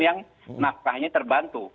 yang nafkahnya terbantu